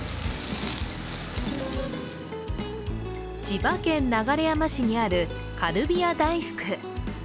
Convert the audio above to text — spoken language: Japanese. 千葉県流山市にあるカルビ屋大福。